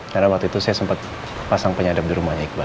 karena waktu itu saya sempat pasang penyedap di rumahnya iqbal